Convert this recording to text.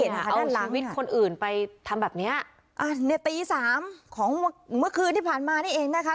เอาชีวิตคนอื่นไปทำแบบเนี้ยอ่าในตีสามของเมื่อคืนที่ผ่านมานี่เองนะคะ